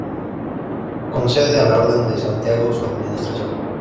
Concede a la Orden de Santiago su administración.